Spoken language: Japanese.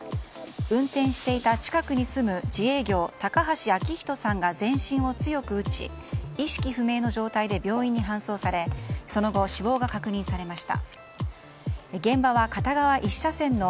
運転していた近くに住む自営業、高橋彰仁さんが全身を強く打ち意識不明の状態で病院に搬送されその後、死亡が確認されました。